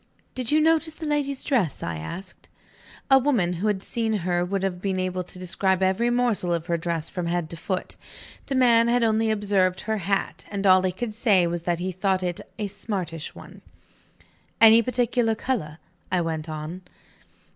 "Did you notice the lady's dress?" I asked. A woman who had seen her would have been able to describe every morsel of her dress from head to foot. The man had only observed her hat; and all he could say was that he thought it "a smartish one." "Any particular color?" I went on.